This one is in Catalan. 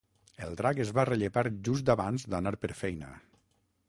El drac es va rellepar just abans d'anar per feina.